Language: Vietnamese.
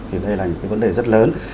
thì đây là một cái vấn đề rất lớn